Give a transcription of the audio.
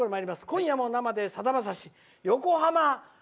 「今夜も生でさだまさしヨコハマ」。